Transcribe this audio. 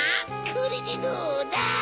これでどうだ！